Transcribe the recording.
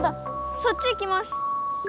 そっち行きます！